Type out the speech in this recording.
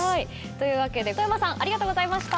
というわけで外山さんありがとうございました。